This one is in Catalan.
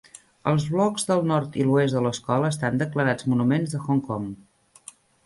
Els blocs del nord i l'oest de l'Escola estan declarats monuments de Hong Kong.